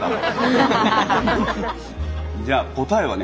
じゃあ答えはね